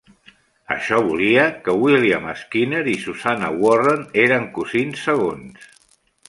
Això volia que William Skinner i Susannah Warren eren cosins segons.